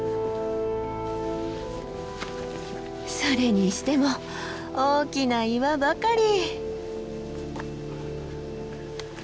それにしても大きな岩ばかり。